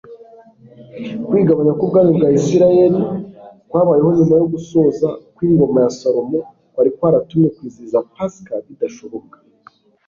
kwigabanya k'ubwami bwa isirayeli kwabayeho nyuma yo gusoza kw'ingoma ya salomo kwari kwaratumye kwizihiza pasika bidashoboka